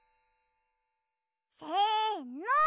せの！